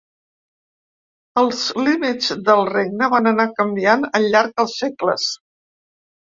Els límits del regne van anar canviant al llarg dels segles.